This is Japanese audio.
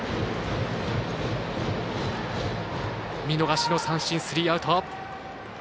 見逃し三振、スリーアウト。